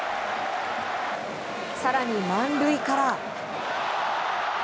更に満塁から。